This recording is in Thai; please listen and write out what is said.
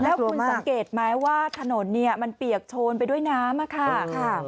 แล้วคุณสังเกตไหมว่าถนนเนี่ยมันเปียกโชนไปด้วยน้ำค่ะ